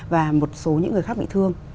và một số những người khác bị thương